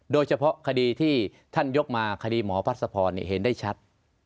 โดยเฉพาะคดีที่ท่านยกมาคดีหมอพัศพรเห็นได้ชัด